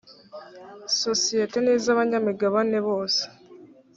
sosiyete n iz abanyamigabane bose